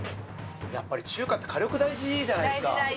やっぱり中華って火力大事じゃないですか。